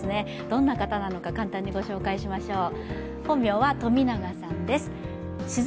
どんな方なのか簡単にご紹介しましょう。